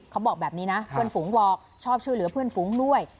เขาบอกแบบนี้นะเพื่อนฝูงบอกชอบช่วยเหลือเพื่อนฝูงด้วย